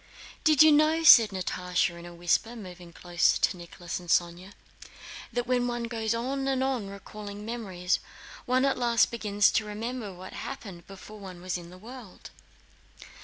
"Do you know," said Natásha in a whisper, moving closer to Nicholas and Sónya, "that when one goes on and on recalling memories, one at last begins to remember what happened before one was in the world...."